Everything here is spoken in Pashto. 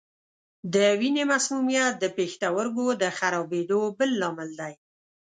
د وینې مسمومیت د پښتورګو د خرابېدو بل لامل دی.